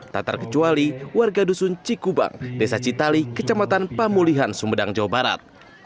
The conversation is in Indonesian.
tak terkecuali warga dusun cikubang desa citali kecamatan pamulihan sumedang jawa barat